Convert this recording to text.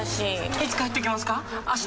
いつ帰ってきますか？